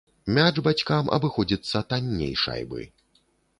Мяч бацькам абыходзіцца танней шайбы.